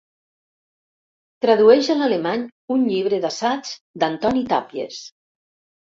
Tradueix a l’alemany un llibre d'assaigs d'Antoni Tàpies.